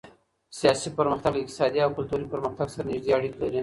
سياسي پرمختګ له اقتصادي او کلتوري پرمختګ سره نږدې اړيکي لري.